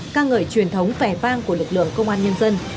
ca ngợi truyền thống vẻ vang của lực lượng công an nhân dân